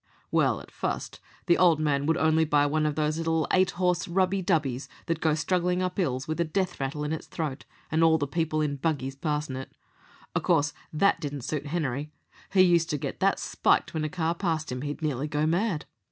"Well, at fust, the old man would only buy one of these little eight horse rubby dubbys that go strugglin' up 'ills with a death rattle in its throat, and all the people in buggies passin' it. O' course that didn't suit Henery. He used to get that spiked when a car passed him, he'd nearly go mad.